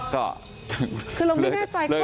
คือเราไม่แน่ใจเลย